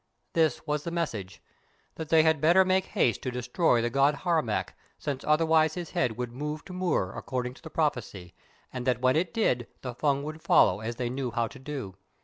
This was the message: That they had better make haste to destroy the god Harmac, since otherwise his head would move to Mur according to the prophecy, and that when it did so, the Fung would follow as they knew how to do.